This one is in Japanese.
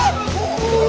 お！